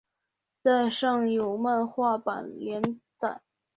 在上有漫画版连载。